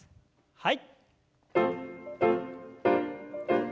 はい。